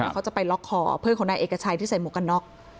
เขาจะไปล็อกคอเพื่อนของนายเอกชัยที่ใส่หมวกกันน็อก